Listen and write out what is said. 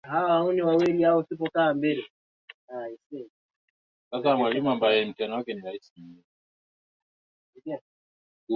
na majeshi ya Jemadali Bokelo Wakazi wa Libya ni hasa mchanganyiko